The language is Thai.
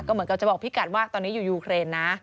เหมือนกับจะบอกพี่กัดว่าตอนนี้อยู่ยูเครนนะ